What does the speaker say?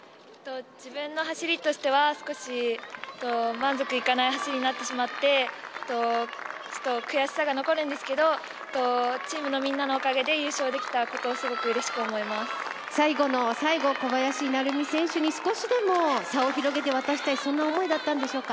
自分の走りとしては少し満足いかない走りになってしまってちょっと悔しさが残るんですけどチームのみんなのおかげで優勝できたことを最後の最後小林成美選手に少しでも差を広げて渡したいそんな思いだったんでしょうか。